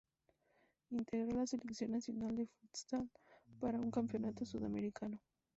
Integró la Selección Nacional de Futsal para un Campeonato Sudamericano.